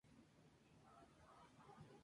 Los fanes del Hello!